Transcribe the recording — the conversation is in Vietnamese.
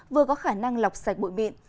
vừa có khả năng lọc sạch bụi bịn